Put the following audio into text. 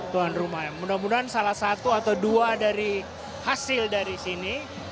tuan rumah mudah mudahan salah satu atau dua dari hasil dari sini